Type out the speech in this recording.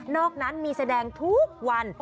อกนั้นมีแสดงทุกวัน